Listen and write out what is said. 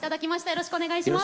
よろしくお願いします。